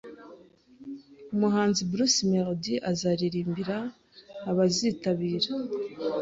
Umuhanzi Bruce Melodie azaririmbira abazitabira